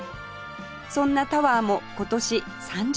そんなタワーも今年３０周年